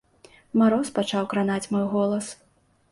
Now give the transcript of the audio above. Мароз пачаў кранаць мой голас.